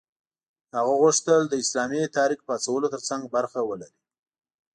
هغه غوښتل د اسلامي تحریک پاڅولو ترڅنګ برخه ولري.